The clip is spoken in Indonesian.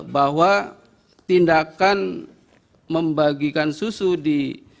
bahwa tindakan membagikan susu di